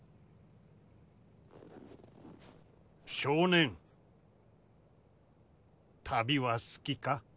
少年旅は好きか？